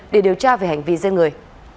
để điều tra về hành vi dân người